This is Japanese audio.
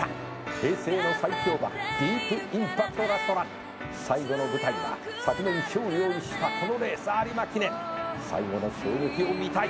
「平成の最強馬ディープインパクトラストラン」「最後の舞台は昨年勝利を逸したこのレース有馬記念」「最後の衝撃を見たい。